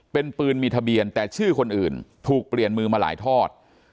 เป็นปืนมีทะเบียนแต่ชื่อคนอื่นถูกเปลี่ยนมือมาหลายทอด